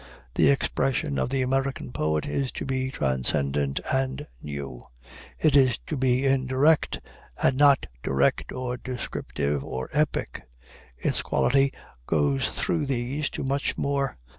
The expression of the American poet is to be transcendent and new. It is to be indirect, and not direct or descriptive or epic. Its quality goes through these to much more.